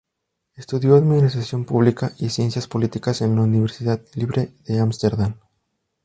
Estudió administración pública y ciencias políticas en la Universidad Libre de Ámsterdam.